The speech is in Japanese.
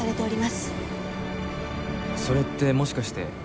それってもしかして。